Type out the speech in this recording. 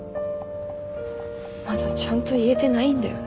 まだちゃんと言えてないんだよね。